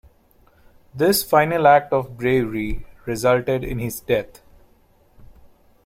This final act of bravery resulted in his death.